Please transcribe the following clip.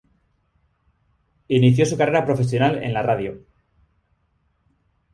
Inició su carrera profesional en la radio.